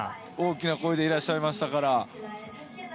大きな声でいらっしゃいましたから。